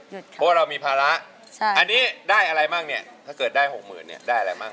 เพราะว่าเรามีภาระอันนี้ได้อะไรบ้างเนี่ยถ้าเกิดได้หกหมื่นเนี่ยได้อะไรมั่ง